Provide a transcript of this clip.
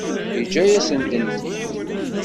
Yeǧǧa-yasent-tent-id.